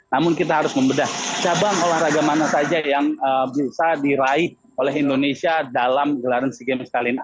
namun kita harus membedah cabang olahraga mana saja yang bisa diraih oleh indonesia dalam gelaran sea games kali ini